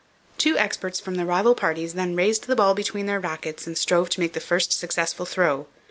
Two experts from the rival parties then raised the ball between their rackets and strove to make the first successful throw.